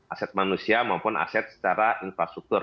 aset manusia maupun aset secara infrastruktur